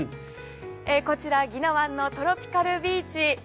こちら、宜野湾のトロピカルビーチ